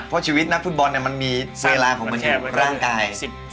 เพราะชีวิตนักฟุตบอลมันมีเวลาของประเทศร่างกาย